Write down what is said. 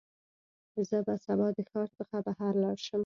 زه به سبا د ښار څخه بهر لاړ شم.